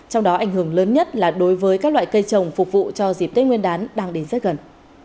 trong đó ảnh hưởng lớn nhất là đối với các loại cây trồng phục vụ cho dịp tết nguyên đán đang đến rất gần